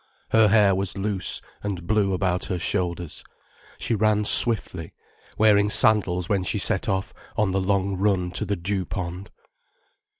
Her hair was loose and blew about her shoulders, she ran swiftly, wearing sandals when she set off on the long run to the dew pond.